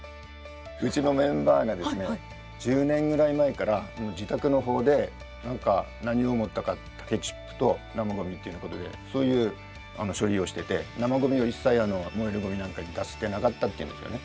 うちのメンバーがですね１０年ぐらい前から自宅の方で何を思ったか竹チップと生ごみっていうようなことでそういう処理をしてて生ごみを一切もえるごみなんかに出してなかったっていうんですよね。